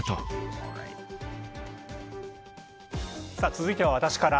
続いては私から。